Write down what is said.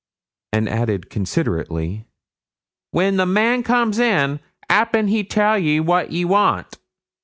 And added considerately 'When the man comes in, 'appen he'll tell ye what ye want.'